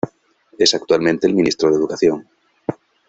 Es actualmente el ministro de educación.